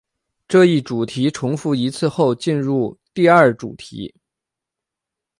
这一主题重复一次后进入第二主题。